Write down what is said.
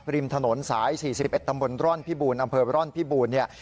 ริมถนนสาย๔๑ตำบลอำเภอร่อนพิบูรเนี่ย